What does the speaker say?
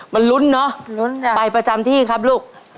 มันลุ้นเนอะไปประจำที่ครับลูก